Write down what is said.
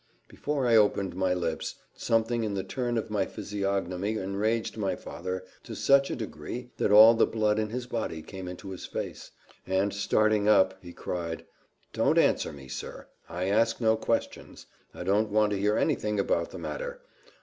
Before I opened my lips, something in the turn of my physiognomy enraged my father to such a degree that all the blood in his body came into his face, and, starting up, he cried, "Don't answer me, sir I ask no questions I don't want to hear any thing about the matter!